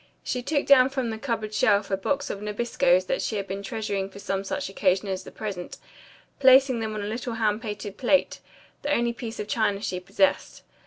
She took down from the cupboard shelf a box of Nabiscos that she had been treasuring for some such occasion as the present, placing them on a little hand painted plate, the only piece of china she possessed.